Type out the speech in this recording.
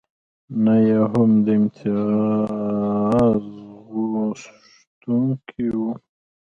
نه یې هم د امتیازغوښتونکی و.